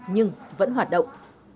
nhưng vẫn hoạt động